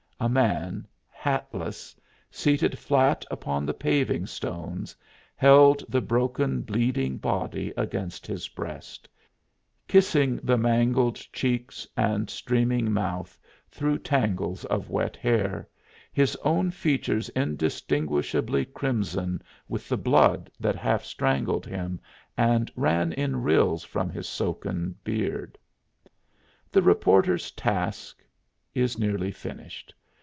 A man, hatless, seated flat upon the paving stones, held the broken, bleeding body against his breast, kissing the mangled cheeks and streaming mouth through tangles of wet hair, his own features indistinguishably crimson with the blood that half strangled him and ran in rills from his soaken beard. The reporter's task is nearly finished.